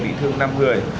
vị thương năm người